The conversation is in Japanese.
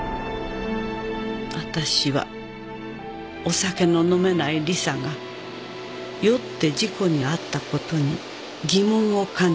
「私はお酒の飲めないリサが酔って事故に遭ったことに疑問を感じていました」